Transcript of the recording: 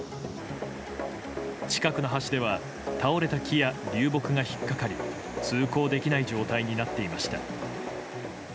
近くの橋では倒れた木や流木が引っ掛かり通行できない状態になっていました。